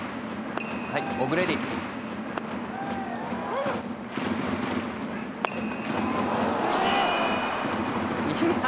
「はいオグレディ」「いやあ！」